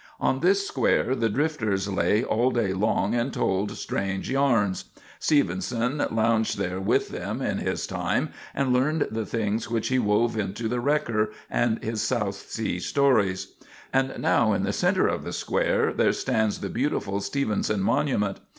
On this square the drifters lay all day long and told strange yams. Stevenson lounged there with them in his time and learned the things which he wove into "The Wrecker" and his South Sea stories; and now in the centre of the square there stands the beautiful Stevenson monument.